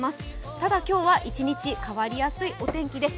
ただ今日は一日、変わりやすいお天気です。